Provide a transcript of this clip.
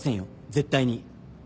絶対に。